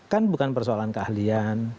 kan bukan persoalan keahlian